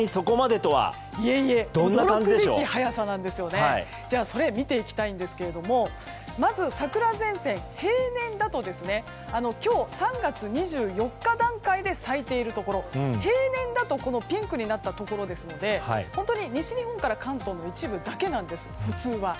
驚くべき早さなんですけどじゃあそれ、見ていきたいんですがまず桜前線、平年だと今日３月２４日段階で咲いているところ平年だとピンクになったところですので西日本から関東の一部だけなんです普通は。